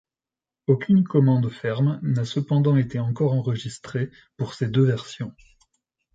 Aucune commande ferme n'a cependant été encore enregistré pour ces deux versions.